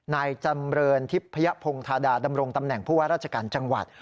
นายจำเรินทิพยพงธาดาดำรงตำแหน่งผู้ว่าราชการจังหวัด